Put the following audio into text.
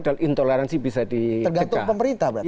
tergantung pemerintah berarti